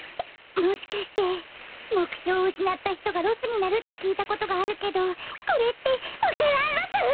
もしかしてもくひょううしなったひとがロスになるってきいたことがあるけどこれってわか蘭ロス？